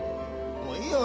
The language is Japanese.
もういいよ俺。